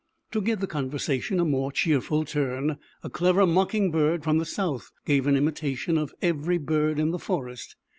To give the conversation a more cheerful turn, a clever Mocking Bird from the South gave an imitation of every bird in the forest.